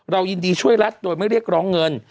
ยินดีช่วยรัฐโดยไม่เรียกร้องเงิน